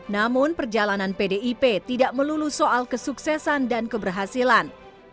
namun perjalanan pdip tidak melulu soal kesuksesan dan keberhasilan